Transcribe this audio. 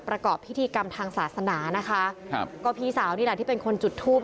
ประกอบพิธีกรรมทางศาสนานะคะครับก็พี่สาวนี่แหละที่เป็นคนจุดทูป